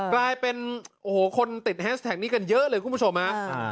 กลายเป็นโอ้โหคนติดแฮชแท็กนี้กันเยอะเลยคุณผู้ชมฮะ